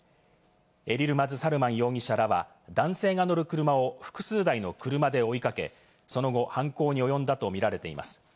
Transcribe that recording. エリルマズ・サルマン容疑者らは男性が乗る車を複数台の車で追いかけ、その後、犯行に及んだとみられています。